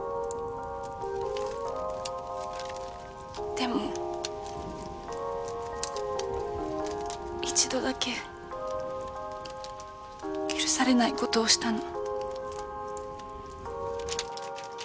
でも一度だけ許されない事をしたの。